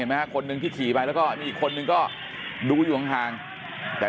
เห็นไหมคนหนึ่งที่ขี่ไปแล้วก็มีคนหนึ่งก็ดูอยู่ข้างแต่